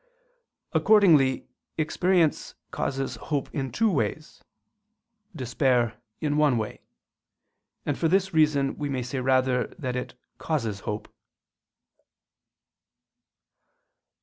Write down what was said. Accordingly experience causes hope in two ways, despair in one way: and for this reason we may say rather that it causes hope.